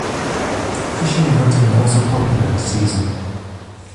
Fishing and hunting are also popular in season.